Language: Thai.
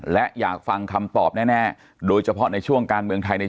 และอยากฟังคำตอบแน่โดยเฉพาะในช่วงการเมืองไทยใน